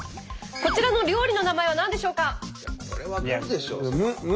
こちらの料理の名前は何でしょうか？